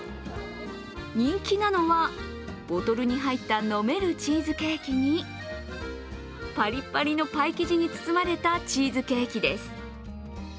人気なのはボトルに入った飲めるチーズケーキにパリパリのパイ生地に包まれたチーズケーキです。